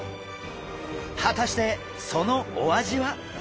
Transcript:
果たしてそのお味は？